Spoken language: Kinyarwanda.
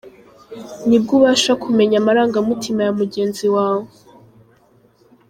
Nibwo ubasha kumenya amarangamutima ya mugenzi wawe.